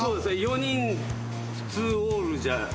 ４人普通オールじゃ。